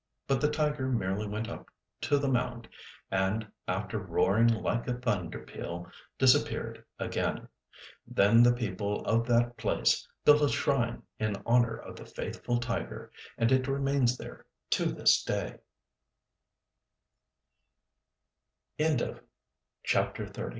But the tiger merely went up to the mound, and, after roaring like a thunder peal, disappeared again. Then the people of that place built a shrine in honour of the Faithful Tiger, and it remains there to thi